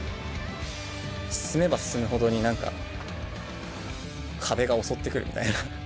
進めば進むほどに、なんか壁が襲ってくるみたいな。